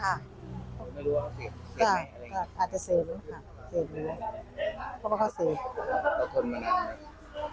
อาจจะเซ็บน้ำเอ็บน้ำแล้วก็เซ็บ